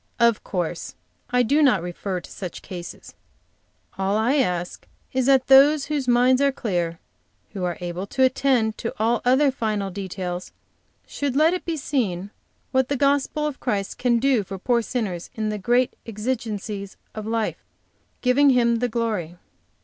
"Of course, I do not, refer to such cases. All I ask is that those whose minds are clear, who are able to attend to all other final details, should let it be seen what the gospel of Christ can do for poor sinners in the great exigency of life, giving Him the glory.